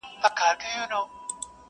نور پر کمبله راته مه ږغوه،